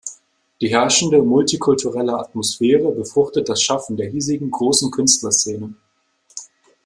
Die herrschende multikulturelle Atmosphäre befruchtet das Schaffen der hiesigen großen Künstlerszene.